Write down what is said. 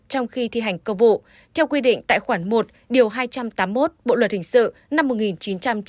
trong khi thi hành công vụ theo quy định tại khoản một hai trăm tám mươi một bộ luật hình sự năm một nghìn chín trăm chín mươi năm